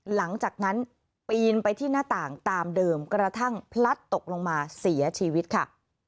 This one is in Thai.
หลังจากนั้นปีนไปที่หน้าต่างตามเดิมกระทั่งพลัดตกลงมาเสียชีวิตค่ะ